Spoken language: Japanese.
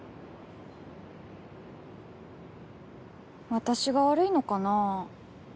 私が悪いのかな？